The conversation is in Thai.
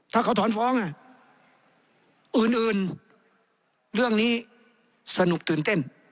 ถ้าเขาถอนฟ้องอื่นเรื่องนี้สนุกตื่นเต้น